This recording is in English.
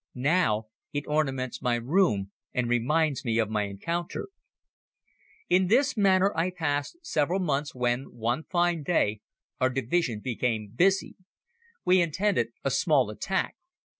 Now it ornaments my room and reminds me of my encounter. In this manner I passed several months when, one fine day, our division became busy. We intended a small attack.